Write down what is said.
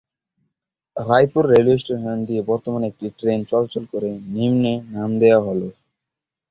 Raipur railway station দিয়ে বর্তমানে একটি ট্রেন চলাচল করে নিম্নে নাম দেওয়া হলোঃ